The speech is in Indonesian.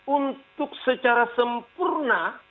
untuk secara sempurna